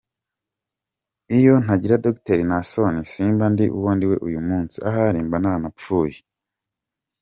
Iyo ntagira Dr Naasson simba ndi uwo ndiwe uyu munsi, ahari mba naranapfuye.